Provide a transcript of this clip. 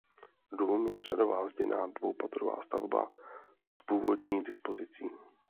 Dům je řadová zděná dvoupatrová stavba s původní dispozicí.